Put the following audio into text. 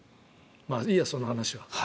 いいや、その話は。